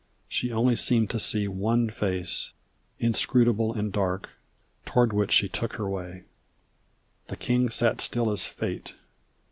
She only seemed to see One face, inscrutable and dark, toward which she took her way. The king sat still as Fate.